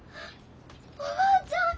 おばあちゃん。